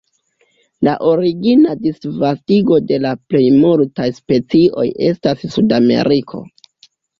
La origina disvastigo de la plej multaj specioj estas Sudameriko.